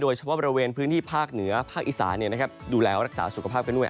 เฉพาะบริเวณพื้นที่ภาคเหนือภาคอีสานดูแลรักษาสุขภาพกันด้วย